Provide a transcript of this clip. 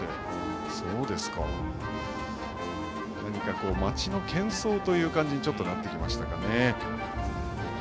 何か街のけん騒という感じになってきましたかね。